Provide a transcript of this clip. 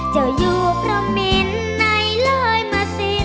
เจ้าอยู่พระเมรินในเล้ยมาระสิน